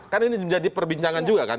kan ini menjadi perbincangan juga kan